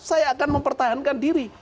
saya akan mempertahankan diri